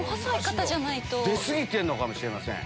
出過ぎてるのかもしれません。